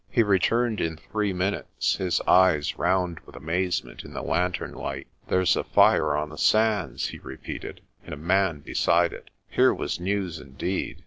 He returned in three minutes, his eyes round with amaze ment in the lantern light. "There's a fire on the sands," he repeated, "and a man beside it." Here was news indeed.